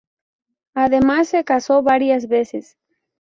Además se casó varias veces.